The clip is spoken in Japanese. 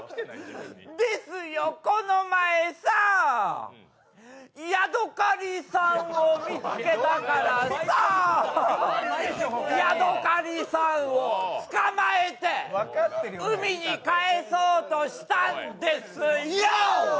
ですよ、この前さ、ヤドカリさんを見つけたからさぁ、ヤドカリさんをつかまえて海に帰そうとしたんですよ！